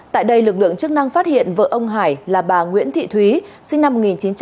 tại đây lực lượng chức năng phát hiện vợ ông hải là bà nguyễn thị thúy sinh năm một nghìn chín trăm tám mươi